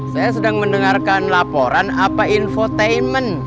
saya sedang mendengarkan laporan apa infotainment